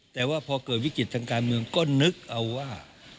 แต่ว่าพอเกิดวิกฤตทางการเมืองก็นึกเอาว่า